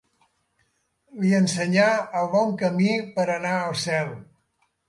Li ensenyà el bon camí per anar al cel.